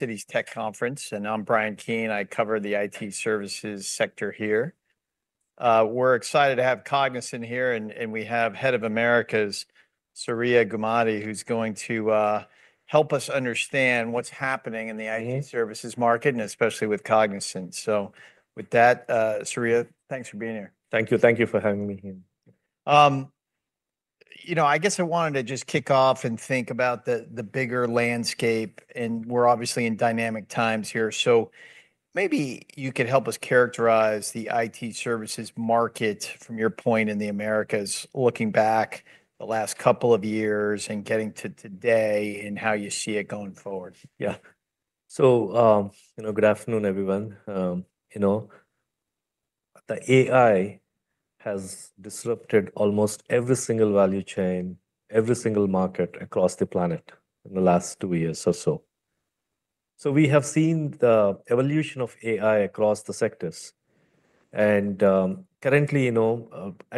Citi Tech Conference, and I'm Brian Keane. I cover the IT services sector here. We're excited to have Cognizant here, and we have Head of Americas, Surya Gummadi, who's going to help us understand what's happening in the IT services market, and especially with Cognizant. So with that, Surya, thanks for being here. Thank you. Thank you for having me here. You know, I guess I wanted to just kick off and think about the bigger landscape, and we're obviously in dynamic times here. So maybe you could help us characterize the IT services market from your point in the Americas, looking back the last couple of years and getting to today, and how you see it going forward. Yeah. So, you know, good afternoon, everyone. You know, the AI has disrupted almost every single value chain, every single market across the planet in the last two years or so. So we have seen the evolution of AI across the sectors. And currently, you know,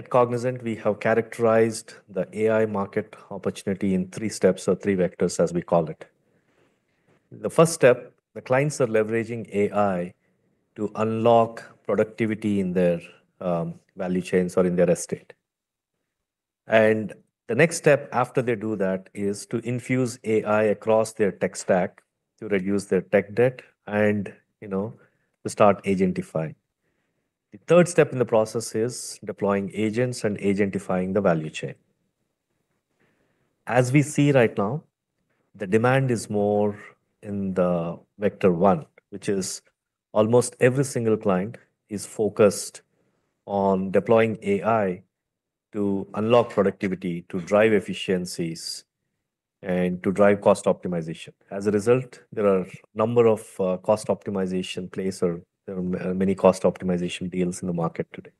at Cognizant, we have characterized the AI market opportunity in three steps or three vectors, as we call it. The first step, the clients are leveraging AI to unlock productivity in their value chains or in their estate. And the next step after they do that is to infuse AI across their tech stack to reduce their tech debt and, you know, to start agentifying. The third step in the process is deploying agents and agentifying the value chain. As we see right now, the demand is more in the Vector One, which is almost every single client is focused on deploying AI to unlock productivity, to drive efficiencies, and to drive cost optimization. As a result, there are a number of cost optimization plays or there are many cost optimization deals in the market today.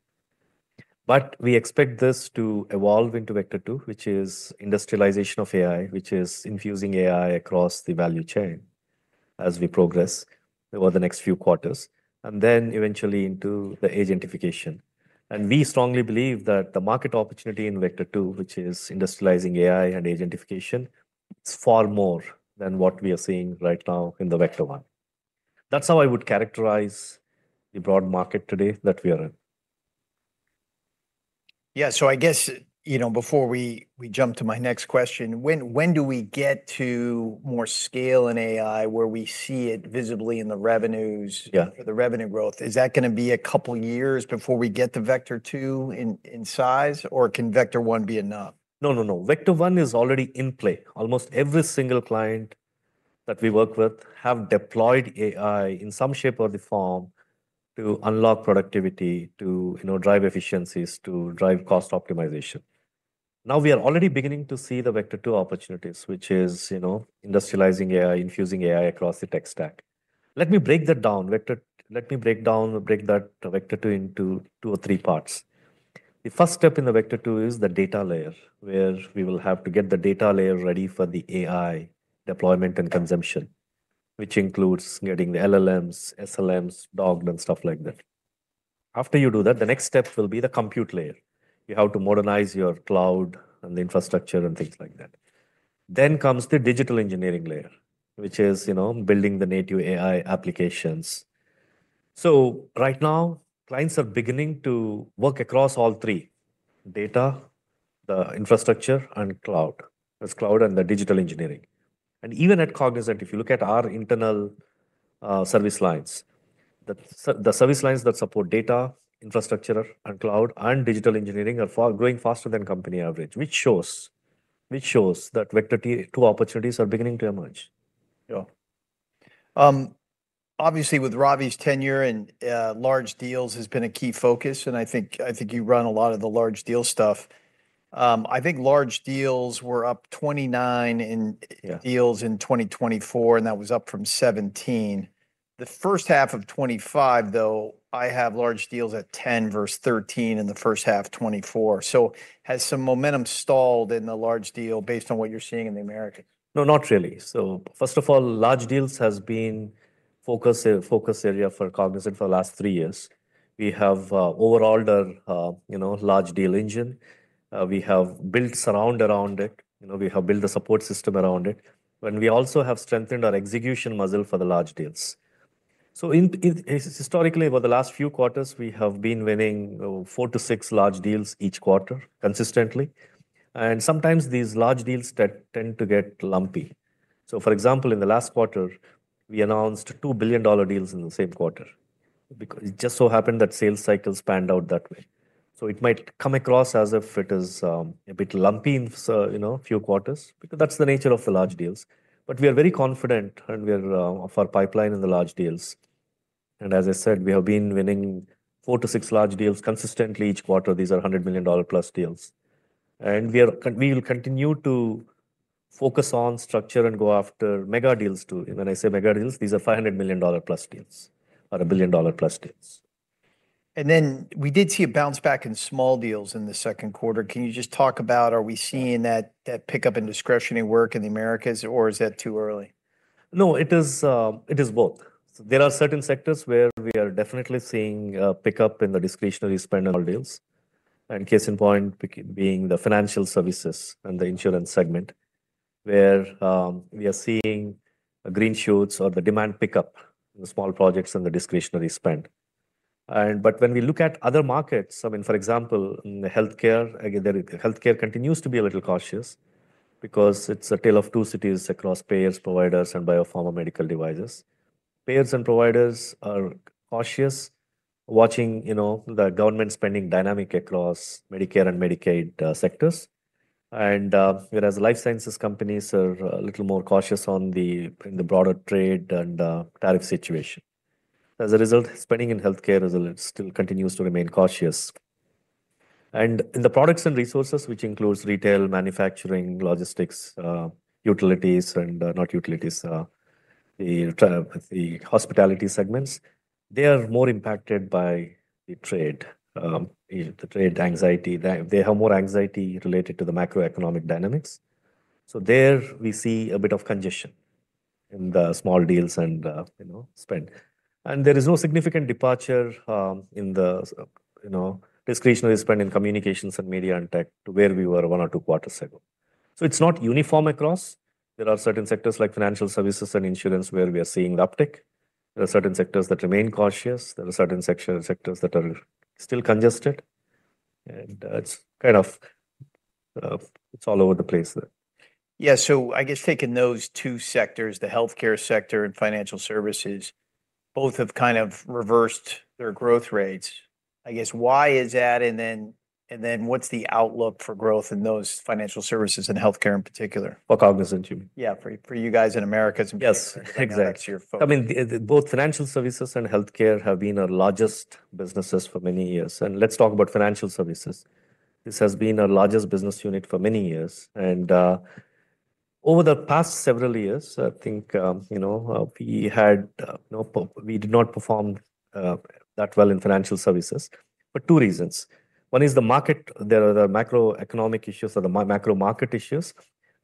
But we expect this to evolve into Vector Two, which is industrialization of AI, which is infusing AI across the value chain as we progress over the next few quarters, and then eventually into the agentification. And we strongly believe that the market opportunity in Vector Two, which is industrializing AI and agentification, is far more than what we are seeing right now in the Vector One. That's how I would characterize the broad market today that we are in. Yeah. So I guess, you know, before we jump to my next question, when do we get to more scale in AI where we see it visibly in the revenues, for the revenue growth? Is that going to be a couple of years before we get to Vector Two in size, or can Vector One be enough? No, no, no. Vector One is already in play. Almost every single client that we work with has deployed AI in some shape or form to unlock productivity, to, you know, drive efficiencies, to drive cost optimization. Now we are already beginning to see the Vector Two opportunities, which is, you know, industrializing AI, infusing AI across the tech stack. Let me break that down. Let me break that Vector Two into two or three parts. The first step in the Vector Two is the data layer, where we will have to get the data layer ready for the AI deployment and consumption, which includes getting the LLMs, SLMs, DGMs, and stuff like that. After you do that, the next step will be the compute layer. You have to modernize your cloud and the infrastructure and things like that. Then comes the digital engineering layer, which is, you know, building the native AI applications. So right now, clients are beginning to work across all three: data, the infrastructure, and cloud, as cloud and the digital engineering. And even at Cognizant, if you look at our internal service lines, the service lines that support data, infrastructure, and cloud, and digital engineering are growing faster than company average, which shows that Vector Two opportunities are beginning to emerge. Yeah. Obviously, with Ravi's tenure and large deals has been a key focus, and I think you run a lot of the large deal stuff. I think large deals were up 29 in deals in 2024, and that was up from 17. The first half of 2025, though, I have large deals at 10 versus 13 in the first half of 2024. So has some momentum stalled in the large deal based on what you're seeing in the Americas? No, not really, so first of all, large deals has been a focus area for Cognizant for the last three years. We have overhauled our, you know, large deal engine. We have built a surround around it. You know, we have built a support system around it, and we also have strengthened our execution model for the large deals, so historically, over the last few quarters, we have been winning four to six large deals each quarter consistently. And sometimes these large deals tend to get lumpy, so for example, in the last quarter, we announced $2 billion deals in the same quarter. It just so happened that sales cycles panned out that way, so it might come across as if it is a bit lumpy in, you know, a few quarters, because that's the nature of the large deals. But we are very confident in our pipeline in the large deals. And as I said, we have been winning four to six large deals consistently each quarter. These are $100 million-plus deals. And we will continue to focus on structure and go after mega deals too. And when I say mega deals, these are $500 million-plus deals or $1 billion-dollar-plus deals. And then we did see a bounce back in small deals in the second quarter. Can you just talk about, are we seeing that pickup in discretionary work in the Americas, or is that too early? No, it is both. There are certain sectors where we are definitely seeing a pickup in the discretionary spend and deals, and case in point being the Financial Services and the insurance segment, where we are seeing green shoots or the demand pickup in the small projects and the discretionary spend, but when we look at other markets, I mean, for example, in the Healthcare, Healthcare continues to be a little cautious because it's a tale of two cities across payers, providers, and biopharma medical devices. Payers and providers are cautious watching, you know, the government spending dynamic across Medicare and Medicaid sectors, whereas life sciences companies are a little more cautious on the broader trade and tariff situation. As a result, spending in Healthcare still continues to remain cautious. In the Products and Resources, which includes retail, manufacturing, logistics, utilities, and not utilities, the hospitality segments, they are more impacted by the trade, the trade anxiety. They have more anxiety related to the macroeconomic dynamics. So there we see a bit of congestion in the small deals and, you know, spend. And there is no significant departure in the, you know, discretionary spend in Communications, Media, and Tech to where we were one or two quarters ago. So it's not uniform across. There are certain sectors like Financial Services and insurance where we are seeing the uptick. There are certain sectors that remain cautious. There are certain sectors that are still congested. And it's kind of, it's all over the place there. Yeah. So I guess taking those two sectors, the Healthcare sector and Financial Services, both have kind of reversed their growth rates. I guess why is that? And then what's the outlook for growth in those Financial Services and Healthcare in particular? For Cognizant, you mean? Yeah, for you guys in Americas. Yes, exactly. I mean, both Financial Services and Healthcare have been our largest businesses for many years. And let's talk about Financial Services. This has been our largest business unit for many years. And over the past several years, I think, you know, we had, we did not perform that well in Financial Services, for two reasons. One is the market. There are the macroeconomic issues or the macro market issues.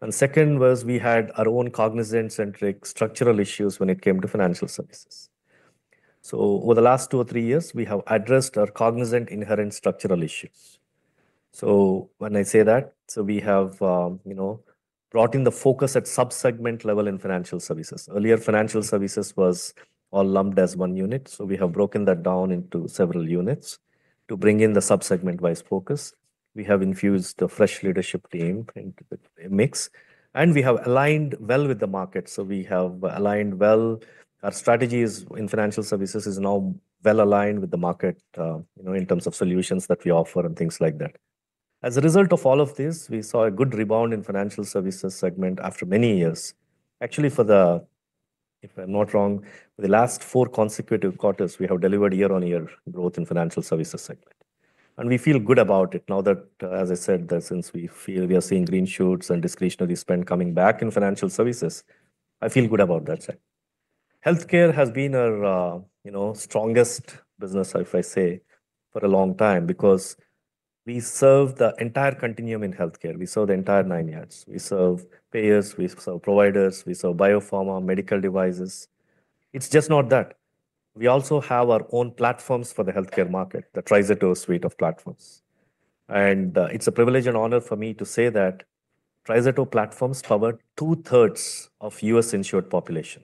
And second was we had our own Cognizant-centric structural issues when it came to Financial Services. So over the last two or three years, we have addressed our Cognizant inherent structural issues. So when I say that, so we have, you know, brought in the focus at subsegment level in Financial Services. Earlier, Financial Services was all lumped as one unit. So we have broken that down into several units to bring in the subsegment-wise focus. We have infused the fresh leadership team into the mix, and we have aligned well with the market, so we have aligned well. Our strategy in Financial Services is now well aligned with the market, you know, in terms of solutions that we offer and things like that. As a result of all of this, we saw a good rebound in the Financial Services segment after many years. Actually, if I'm not wrong, for the last four consecutive quarters, we have delivered year-on-year growth in the Financial Services segment, and we feel good about it now that, as I said, since we feel we are seeing green shoots and discretionary spend coming back in Financial Services, I feel good about that side. Healthcare has been our, you know, strongest business, if I say, for a long time, because we serve the entire continuum in Healthcare. We serve the entire nine yards. We serve payers, we serve providers, we serve biopharma, medical devices. It's just not that. We also have our own platforms for the Healthcare market, the TriZetto suite of platforms, and it's a privilege and honor for me to say that TriZetto platforms cover two-thirds of the U.S. insured population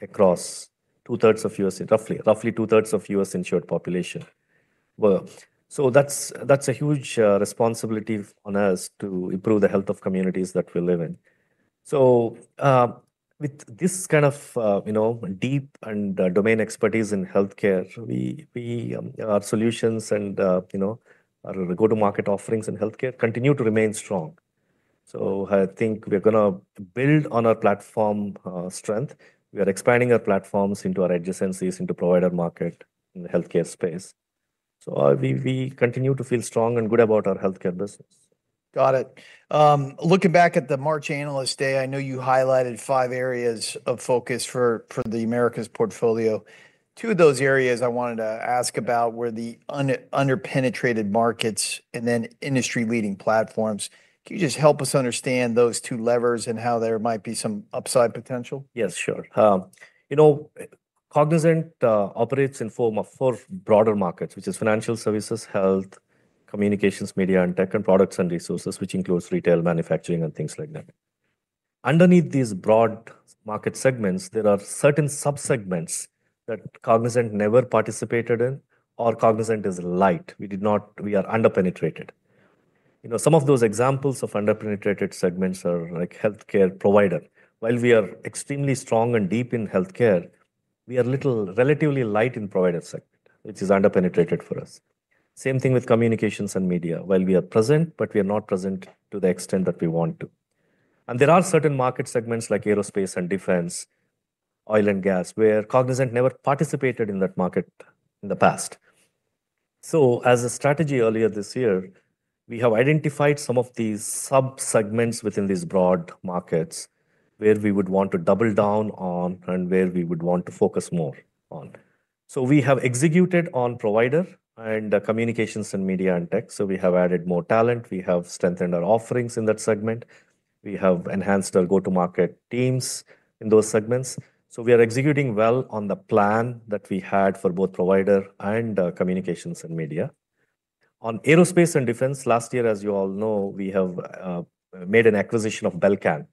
across two-thirds of U.S. roughly two-thirds of the U.S. insured population, so that's a huge responsibility on us to improve the health of communities that we live in, so with this kind of, you know, deep and domain expertise in Healthcare, our solutions and, you know, our go-to-market offerings in Healthcare continue to remain strong, so I think we're going to build on our platform strength. We are expanding our platforms into our adjacencies, into provider market in the Healthcare space, so we continue to feel strong and good about our Healthcare business. Got it. Looking back at the March Analyst Day, I know you highlighted five areas of focus for the Americas portfolio. Two of those areas I wanted to ask about were the under-penetrated markets and then industry-leading platforms. Can you just help us understand those two levers and how there might be some upside potential? Yes, sure. You know, Cognizant operates in four broader markets, which are Financial Services, Health, Communications, Media, and Tech, and Products and Resources, which includes retail, manufacturing, and things like that. Underneath these broad market segments, there are certain subsegments that Cognizant never participated in, or Cognizant is light. We are under-penetrated. You know, some of those examples of under-penetrated segments are like Healthcare provider. While we are extremely strong and deep in Healthcare, we are a little relatively light in the provider segment, which is under-penetrated for us. Same thing with Communications and Media. While we are present, but we are not present to the extent that we want to. And there are certain market segments like aerospace and defense, oil and gas, where Cognizant never participated in that market in the past. As a strategy earlier this year, we have identified some of these subsegments within these broad markets where we would want to double down on and where we would want to focus more on. We have executed on provider and Communications, Media, and Tech. We have added more talent. We have strengthened our offerings in that segment. We have enhanced our go-to-market teams in those segments. We are executing well on the plan that we had for both provider and Communications and Media. On aerospace and defense, last year, as you all know, we have made an acquisition of Belcan,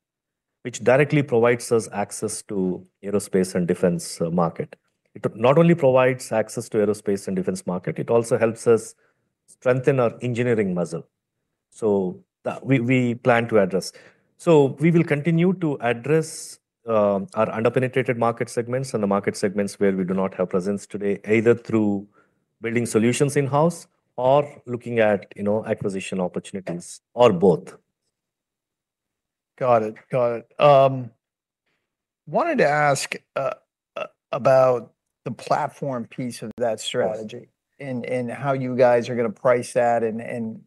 which directly provides us access to the aerospace and defense market. It not only provides access to the aerospace and defense market, it also helps us strengthen our engineering muscle. We plan to address. So we will continue to address our under-penetrated market segments and the market segments where we do not have presence today, either through building solutions in-house or looking at, you know, acquisition opportunities or both. Got it. Got it. Wanted to ask about the platform piece of that strategy and how you guys are going to price that and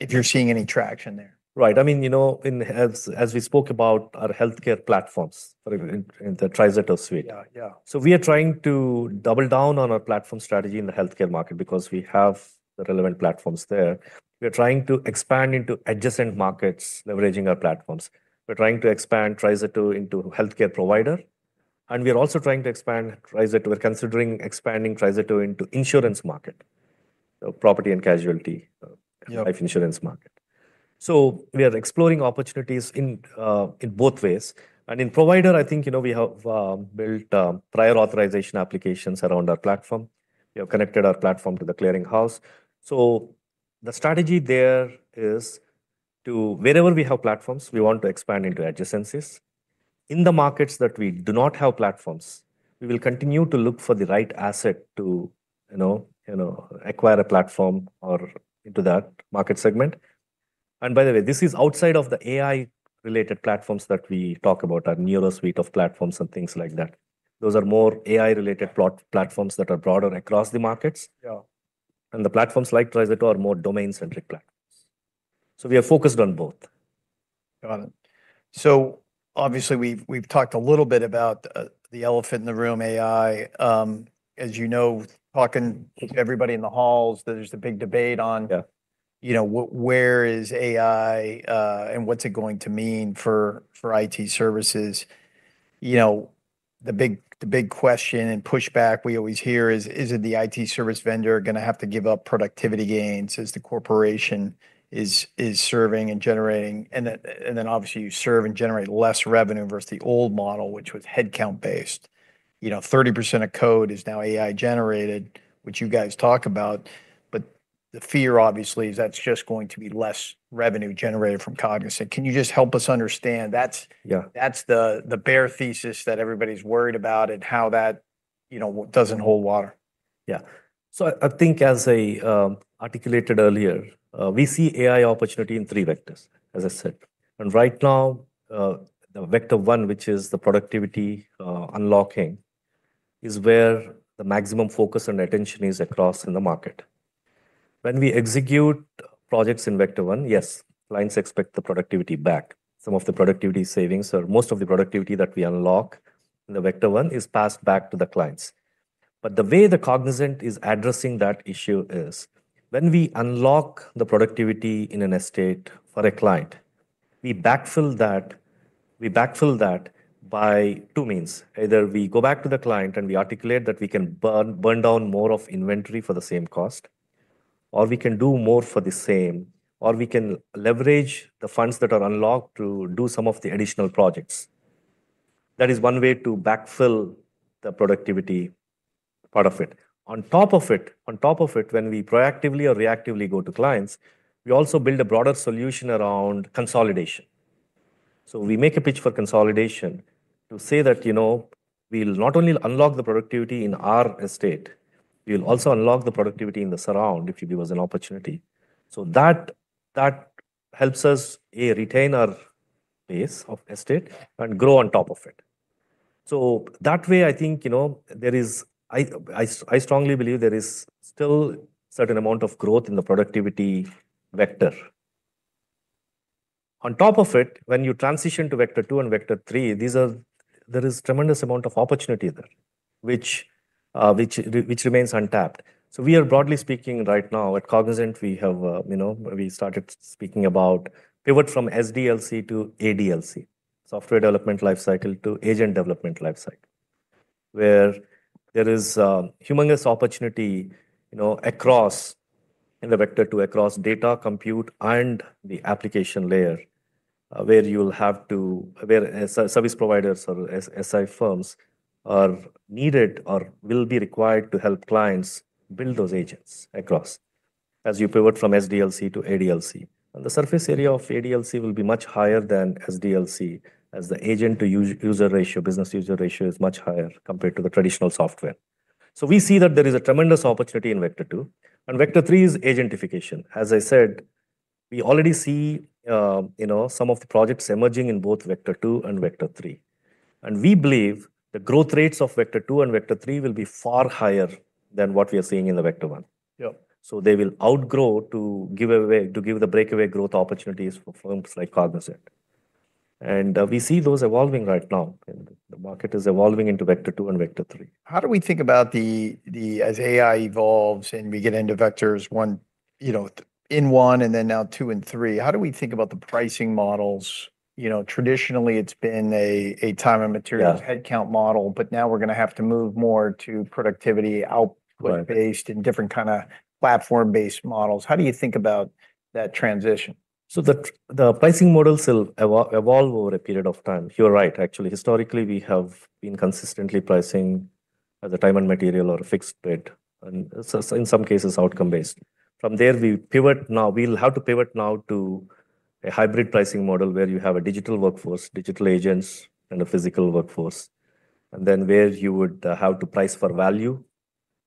if you're seeing any traction there? Right. I mean, you know, as we spoke about our Healthcare platforms in the TriZetto suite. So we are trying to double down on our platform strategy in the Healthcare market because we have the relevant platforms there. We are trying to expand into adjacent markets leveraging our platforms. We're trying to expand TriZetto into Healthcare provider. And we are also trying to expand TriZetto. We're considering expanding TriZetto into the insurance market, property and casualty, life insurance market. So we are exploring opportunities in both ways. And in provider, I think, you know, we have built prior authorization applications around our platform. We have connected our platform to the clearinghouse. So the strategy there is to wherever we have platforms, we want to expand into adjacencies. In the markets that we do not have platforms, we will continue to look for the right asset to, you know, acquire a platform or into that market segment. And by the way, this is outside of the AI-related platforms that we talk about, our Neuro suite of platforms and things like that. Those are more AI-related platforms that are broader across the markets. And the platforms like TriZetto are more domain-centric platforms. So we are focused on both. Got it. So obviously, we've talked a little bit about the elephant in the room, AI. As you know, talking to everybody in the halls, there's a big debate on, you know, where is AI and what's it going to mean for IT services? You know, the big question and pushback we always hear is, isn't the IT service vendor going to have to give up productivity gains as the corporation is serving and generating? And then obviously you serve and generate less revenue versus the old model, which was headcount-based. You know, 30% of code is now AI-generated, which you guys talk about. But the fear obviously is that's just going to be less revenue generated from Cognizant. Can you just help us understand? That's the bare thesis that everybody's worried about and how that, you know, doesn't hold water. Yeah. So I think as I articulated earlier, we see AI opportunity in three vectors, as I said. And right now, Vector One, which is the productivity unlocking, is where the maximum focus and attention is across in the market. When we execute projects in Vector One, yes, clients expect the productivity back. Some of the productivity savings or most of the productivity that we unlock in Vector One is passed back to the clients. But the way Cognizant is addressing that issue is when we unlock the productivity in an estate for a client, we backfill that. We backfill that by two means. Either we go back to the client and we articulate that we can burn down more of inventory for the same cost, or we can do more for the same, or we can leverage the funds that are unlocked to do some of the additional projects. That is one way to backfill the productivity part of it. On top of it, on top of it, when we proactively or reactively go to clients, we also build a broader solution around consolidation. So we make a pitch for consolidation to say that, you know, we'll not only unlock the productivity in our estate, we'll also unlock the productivity in the surround if it gives us an opportunity. So that helps us retain our base of estate and grow on top of it. So that way, I think, you know, there is. I strongly believe there is still a certain amount of growth in the productivity vector. On top of it, when you transition to Vector Two and Vector Three, there is a tremendous amount of opportunity there, which remains untapped. So we are broadly speaking right now at Cognizant. We have, you know, we started speaking about pivot from SDLC to ADLC, software development lifecycle to agent development lifecycle, where there is a humongous opportunity, you know, across in the Vector Two, across data, compute, and the application layer where you'll have to, where service providers or SI firms are needed or will be required to help clients build those agents across as you pivot from SDLC to ADLC. And the surface area of ADLC will be much higher than SDLC as the agent-to-user ratio, business-to-user ratio is much higher compared to the traditional software. So we see that there is a tremendous opportunity in Vector Two. And Vector Three is agentification. As I said, we already see, you know, some of the projects emerging in both Vector Two and Vector Three. And we believe the growth rates of Vector Two and Vector Three will be far higher than what we are seeing in the Vector One. So they will outgrow to give away, to give the breakaway growth opportunities for firms like Cognizant. And we see those evolving right now. The market is evolving into Vector Two and Vector Three. How do we think about as AI evolves and we get into Vector One, you know, in one and then now Vector Two and Vector Three, how do we think about the pricing models? You know, traditionally it's been a time and materials headcount model, but now we're going to have to move more to productivity output-based and different kind of platform-based models. How do you think about that transition? The pricing models will evolve over a period of time. You're right, actually. Historically, we have been consistently pricing as a time and material or a fixed rate, and in some cases, outcome-based. From there, we pivot now. We'll have to pivot now to a hybrid pricing model where you have a digital workforce, digital agents, and a physical workforce. And then where you would have to price for value,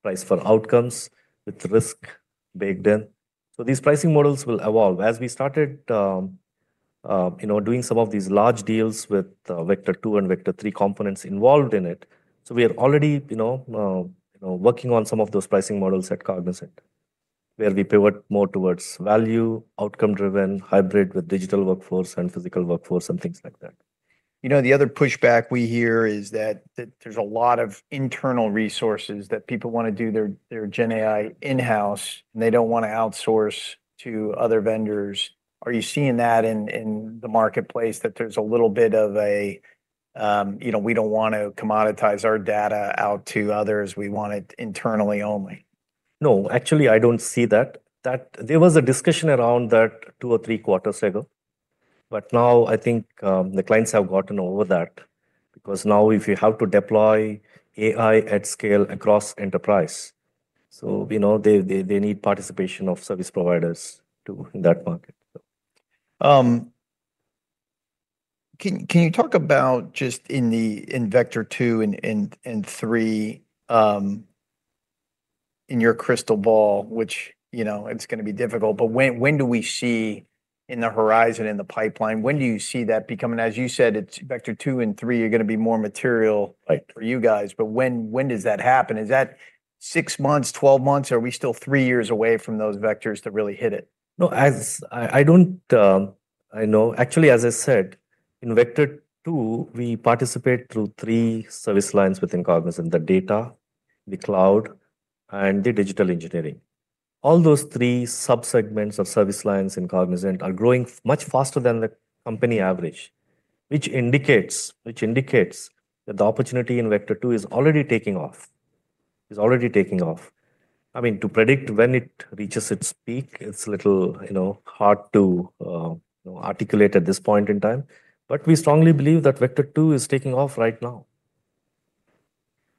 price for outcomes with risk baked in. So these pricing models will evolve. As we started, you know, doing some of these large deals with Vector Two and Vector Three components involved in it. So we are already, you know, working on some of those pricing models at Cognizant where we pivot more towards value, outcome-driven, hybrid with digital workforce and physical workforce and things like that. You know, the other pushback we hear is that there's a lot of internal resources that people want to do their GenAI in-house and they don't want to outsource to other vendors. Are you seeing that in the marketplace that there's a little bit of a, you know, we don't want to commoditize our data out to others, we want it internally only? No, actually, I don't see that. There was a discussion around that two or three quarters ago. But now I think the clients have gotten over that because now if you have to deploy AI at scale across enterprise, so you know, they need participation of service providers too in that market. Can you talk about just in the Vector Two and Three in your crystal ball, which, you know, it's going to be difficult, but when do we see in the horizon, in the pipeline, when do you see that becoming? As you said, it's Vector Two and Three, you're going to be more material for you guys. But when does that happen? Is that six months, 12 months, or are we still three years away from those vectors to really hit it? No, I don't. I know. Actually, as I said, in Vector Two, we participate through three service lines within Cognizant: the data, the cloud, and the digital engineering. All those three subsegments of service lines in Cognizant are growing much faster than the company average, which indicates that the opportunity in Vector Two is already taking off, is already taking off. I mean, to predict when it reaches its peak, it's a little, you know, hard to articulate at this point in time. But we strongly believe that Vector Two is taking off right now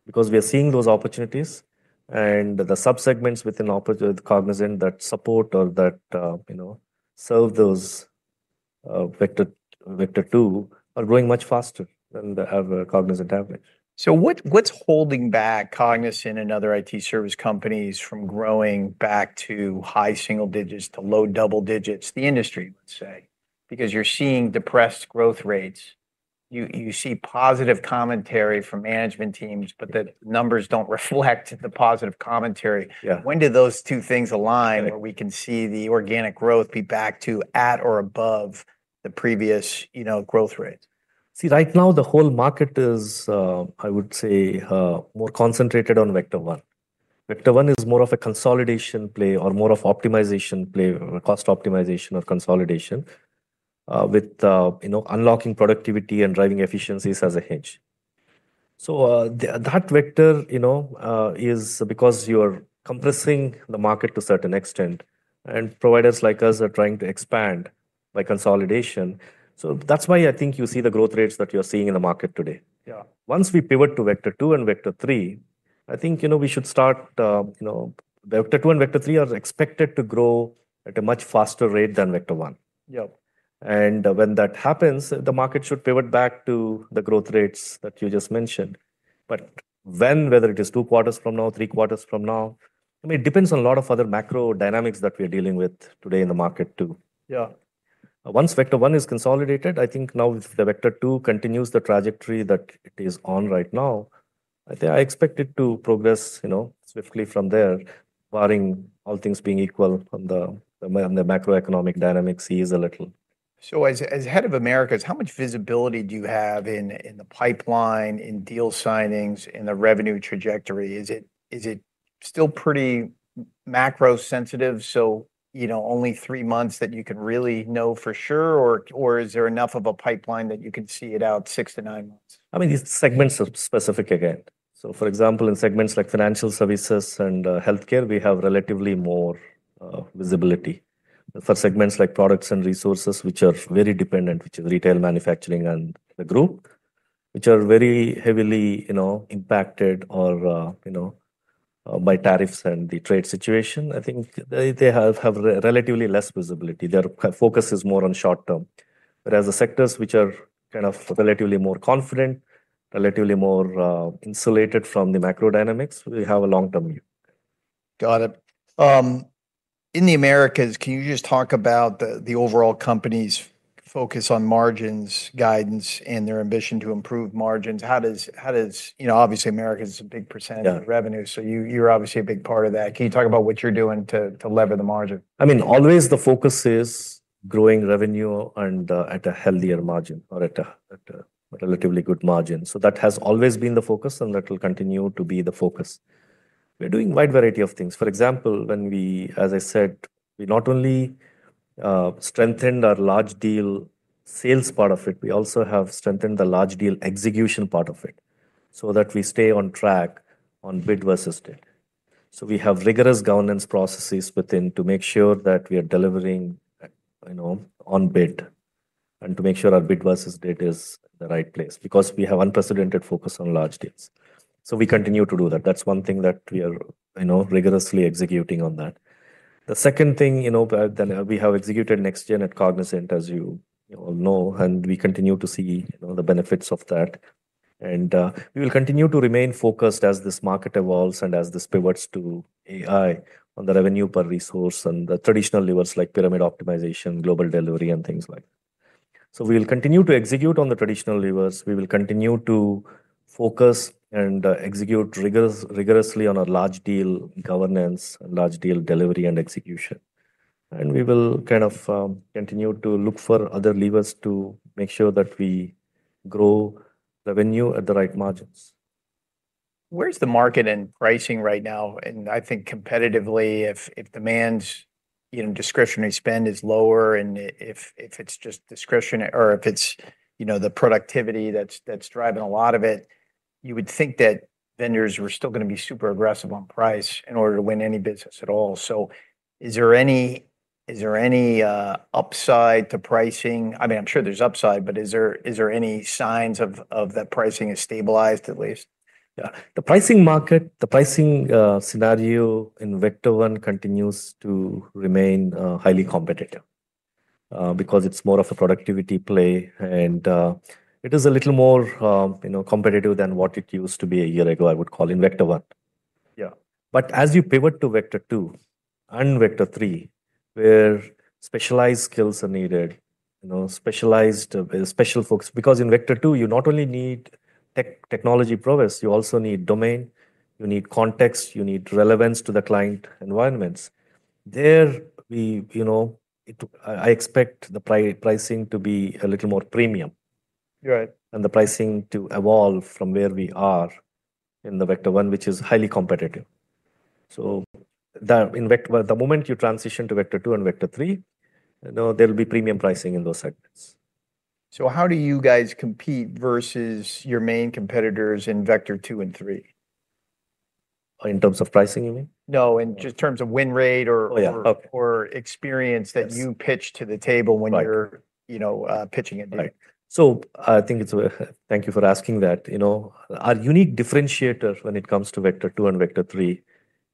because we are seeing those opportunities and the subsegments within Cognizant that support or that, you know, serve those Vector Two are growing much faster than the average Cognizant average. So, what's holding back Cognizant and other IT service companies from growing back to high single digits to low double digits, the industry, let's say, because you're seeing depressed growth rates? You see positive commentary from management teams, but the numbers don't reflect the positive commentary. When do those two things align where we can see the organic growth be back to at or above the previous, you know, growth rates? See, right now the whole market is, I would say, more concentrated on Vector One. Vector One is more of a consolidation play or more of an optimization play, cost optimization or consolidation with, you know, unlocking productivity and driving efficiencies as a hedge. So that Vector, you know, is because you are compressing the market to a certain extent and providers like us are trying to expand by consolidation. So that's why I think you see the growth rates that you're seeing in the market today. Once we pivot to Vector Two and Vector Three, I think, you know, we should start, you know, Vector Two and Vector Three are expected to grow at a much faster rate than Vector One. And when that happens, the market should pivot back to the growth rates that you just mentioned. But when, whether it is two quarters from now, three quarters from now, I mean, it depends on a lot of other macro dynamics that we are dealing with today in the market too. Yeah, once Vector One is consolidated, I think now if the Vector Two continues the trajectory that it is on right now, I think I expect it to progress, you know, swiftly from there, barring all things being equal on the macroeconomic dynamics is a little. So as head of Americas, how much visibility do you have in the pipeline, in deal signings, in the revenue trajectory? Is it still pretty macro sensitive? So, you know, only three months that you can really know for sure, or is there enough of a pipeline that you can see it out six to nine months? I mean, these segments are specific again. So for example, in segments like Financial Services and Healthcare, we have relatively more visibility for segments like Products and Resources, which are very dependent, which is retail manufacturing and the group, which are very heavily, you know, impacted or, you know, by tariffs and the trade situation. I think they have relatively less visibility. Their focus is more on short term. Whereas the sectors which are kind of relatively more confident, relatively more insulated from the macro dynamics, we have a long term view. Got it. In the Americas, can you just talk about the overall company's focus on margins, guidance, and their ambition to improve margins? How does, you know, obviously America is a big percentage of revenue. So you're obviously a big part of that. Can you talk about what you're doing to leverage the margin? I mean, always the focus is growing revenue and at a healthier margin or at a relatively good margin. So that has always been the focus and that will continue to be the focus. We're doing a wide variety of things. For example, when we, as I said, we not only strengthened our large deal sales part of it, we also have strengthened the large deal execution part of it so that we stay on track on bid versus did. So we have rigorous governance processes within to make sure that we are delivering, you know, on bid and to make sure our bid versus did is the right place because we have unprecedented focus on large deals. So we continue to do that. That's one thing that we are, you know, rigorously executing on that. The second thing, you know, then we have executed NextGen at Cognizant, as you all know, and we continue to see, you know, the benefits of that. And we will continue to remain focused as this market evolves and as this pivots to AI on the revenue per resource and the traditional levers like pyramid optimization, global delivery, and things like that. So we will continue to execute on the traditional levers. We will continue to focus and execute rigorously on our large deal governance and large deal delivery and execution. And we will kind of continue to look for other levers to make sure that we grow revenue at the right margins. Where's the market in pricing right now, and I think competitively, if demand, you know, discretionary spend is lower and if it's just discretionary or if it's, you know, the productivity that's driving a lot of it, you would think that vendors were still going to be super aggressive on price in order to win any business at all, so is there any upside to pricing? I mean, I'm sure there's upside, but is there any signs of that pricing has stabilized at least? Yeah, the pricing market, the pricing scenario in Vector One continues to remain highly competitive because it's more of a productivity play and it is a little more, you know, competitive than what it used to be a year ago, I would call in Vector One. Yeah, but as you pivot to Vector Two and Vector Three, where specialized skills are needed, you know, specialized, special focus, because in Vector Two, you not only need technology prowess, you also need domain, you need context, you need relevance to the client environments. There, we, you know, I expect the pricing to be a little more premium and the pricing to evolve from where we are in the Vector One, which is highly competitive. So in the moment you transition to Vector Two and Vector Three, you know, there will be premium pricing in those segments. So how do you guys compete versus your main competitors in Vector Two and Three? In terms of pricing, you mean? No, in terms of win rate or experience that you pitch to the table when you're, you know, pitching it. So I think it's a thank you for asking that. You know, our unique differentiator when it comes to Vector Two and Vector Three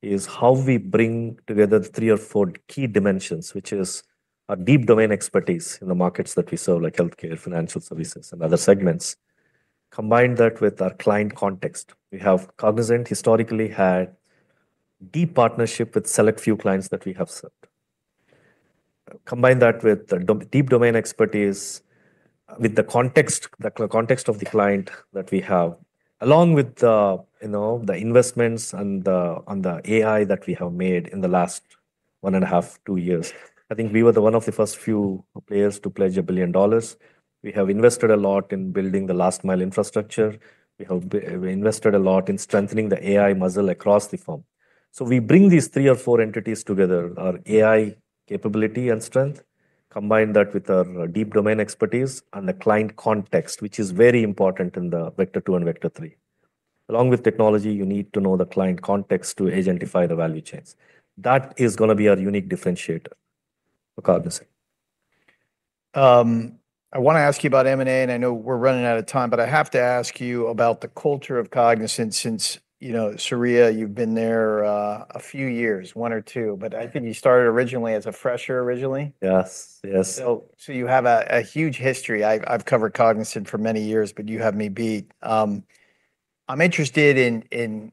is how we bring together three or four key dimensions, which is our deep domain expertise in the markets that we serve, like Healthcare, Financial Services, and other segments. Combine that with our client context. We have Cognizant historically had a deep partnership with a select few clients that we have served. Combine that with deep domain expertise, with the context of the client that we have, along with the, you know, the investments and the AI that we have made in the last one and a half, two years. I think we were one of the first few players to pledge $1 billion. We have invested a lot in building the last mile infrastructure. We have invested a lot in strengthening the AI muscle across the firm, so we bring these three or four entities together, our AI capability and strength, combine that with our deep domain expertise and the client context, which is very important in the Vector Two and Vector Three. Along with technology, you need to know the client context to identify the value chains. That is going to be our unique differentiator for Cognizant. I want to ask you about M&A, and I know we're running out of time, but I have to ask you about the culture of Cognizant since, you know, Surya, you've been there a few years, one or two, but I think you started originally as a fresher. Yes, yes. So you have a huge history. I've covered Cognizant for many years, but you have me beat. I'm interested in,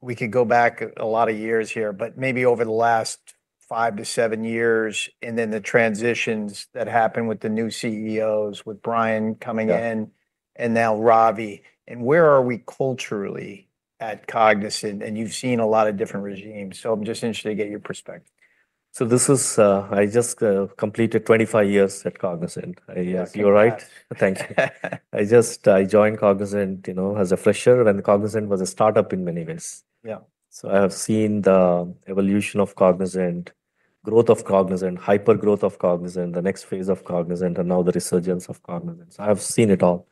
we could go back a lot of years here, but maybe over the last five to seven years and then the transitions that happened with the new CEOs, with Brian coming in and now Ravi. And where are we culturally at Cognizant? And you've seen a lot of different regimes. So I'm just interested to get your perspective. So, this is. I just completed 25 years at Cognizant. You're right. Thank you. I just, I joined Cognizant, you know, as a fresher when Cognizant was a startup in many ways. Yeah, so I have seen the evolution of Cognizant, growth of Cognizant, hyper growth of Cognizant, the next phase of Cognizant, and now the resurgence of Cognizant. So I've seen it all.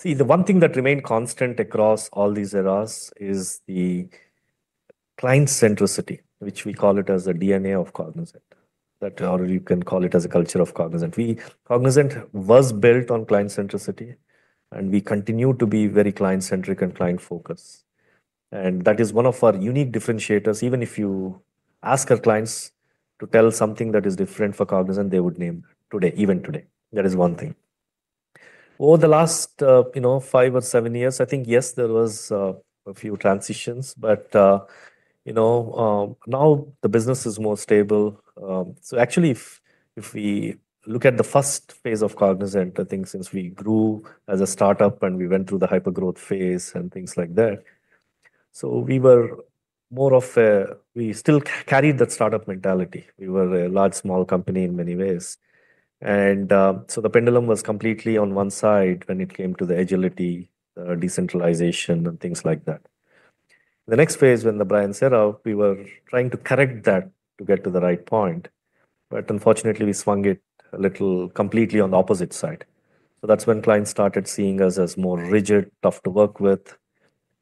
See, the one thing that remained constant across all these eras is the client centricity, which we call it as the DNA of Cognizant. That, or you can call it as a culture of Cognizant. Cognizant was built on client centricity, and we continue to be very client centric and client focused. And that is one of our unique differentiators. Even if you ask our clients to tell something that is different for Cognizant, they would name that today, even today. That is one thing. Over the last, you know, five or seven years, I think yes, there was a few transitions, but, you know, now the business is more stable. So actually, if we look at the first phase of Cognizant, I think since we grew as a startup and we went through the hyper growth phase and things like that. So we were more of a, we still carried that startup mentality. We were a large small company in many ways. And so the pendulum was completely on one side when it came to the agility, decentralization, and things like that. The next phase when Brian set out, we were trying to correct that to get to the right point. But unfortunately, we swung it a little completely on the opposite side. So that's when clients started seeing us as more rigid, tough to work with,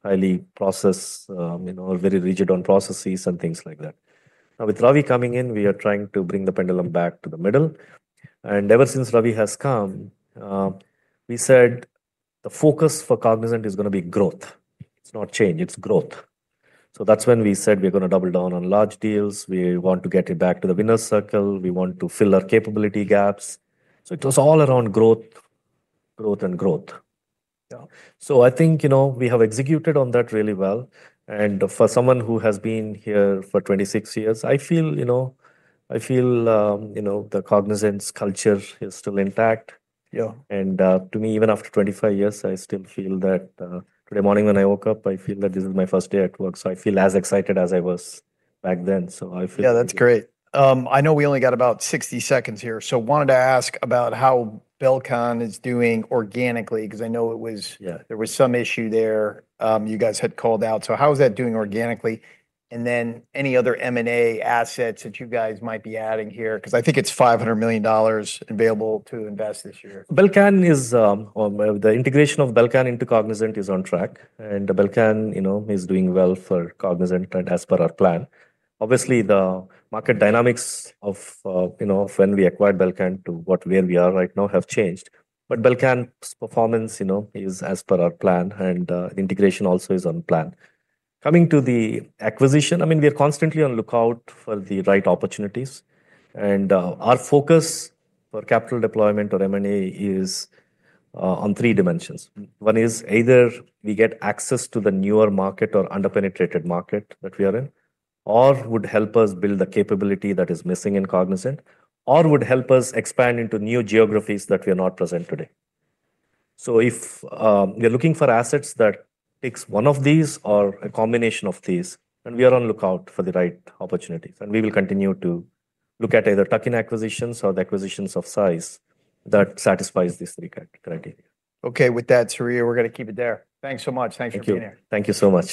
highly processed, you know, very rigid on processes and things like that. Now with Ravi coming in, we are trying to bring the pendulum back to the middle. And ever since Ravi has come, we said the focus for Cognizant is going to be growth. It's not change, it's growth. So that's when we said we're going to double down on large deals. We want to get it back to the Winners' Circle. We want to fill our capability gaps. So it was all around growth, growth and growth. Yeah, so I think, you know, we have executed on that really well. And for someone who has been here for 26 years, I feel, you know, the Cognizant culture is still intact. Yeah, and to me, even after 25 years, I still feel that today morning when I woke up, I feel that this is my first day at work. So I feel as excited as I was back then. So I feel. Yeah, that's great. I know we only got about 60 seconds here. So wanted to ask about how Belcan is doing organically, because I know it was, there was some issue there. You guys had called out. So how is that doing organically? And then any other M&A assets that you guys might be adding here? Because I think it's $500 million available to invest this year. Belcan is, the integration of Belcan into Cognizant is on track. And Belcan, you know, is doing well for Cognizant and as per our plan. Obviously, the market dynamics of, you know, when we acquired Belcan to where we are right now have changed. But Belcan's performance, you know, is as per our plan. And the integration also is on plan. Coming to the acquisition, I mean, we are constantly on lookout for the right opportunities. And our focus for capital deployment or M&A is on three dimensions. One is either we get access to the newer market or under-penetrated market that we are in, or would help us build the capability that is missing in Cognizant, or would help us expand into new geographies that we are not present today. If we're looking for assets that take one of these or a combination of these, then we are on the lookout for the right opportunities. We will continue to look at either tuck-in acquisitions or acquisitions of size that satisfy these three criteria. Okay, with that, Surya, we're going to keep it there. Thanks so much. Thanks for being here. Thank you so much.